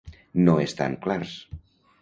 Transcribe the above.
No estan clars.